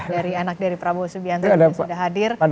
dari anak dari prabowo subianto juga sudah hadir